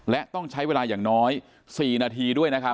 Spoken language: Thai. และต้องใช้เวลาอย่างน้อย๔นาทีด้วยนะครับ